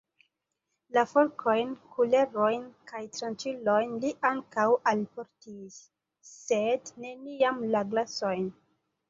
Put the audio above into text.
La forkojn, kulerojn kaj tranĉilojn li ankaŭ alportis, sed neniam la glasojn.